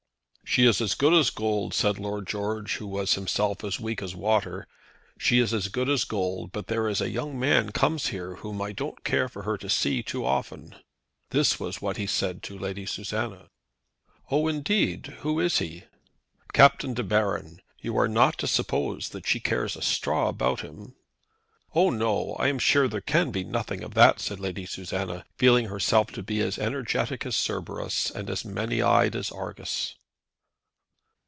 "She is as good as gold," said Lord George, who was himself as weak as water. "She is as good as gold; but there is a young man comes here whom I don't care for her to see too often." This was what he said to Lady Susanna. "Oh, indeed! Who is he?" "Captain De Baron. You are not to suppose that she cares a straw about him." "Oh, no; I am sure there can be nothing of that," said Lady Susanna, feeling herself to be as energetic as Cerberus, and as many eyed as Argus.